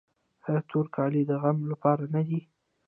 آیا تور کالي د غم لپاره نه دي؟